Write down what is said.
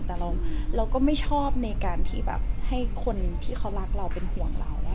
แต่เราก็ไม่ชอบในการที่แบบให้คนที่เขารักเราเป็นห่วงเรา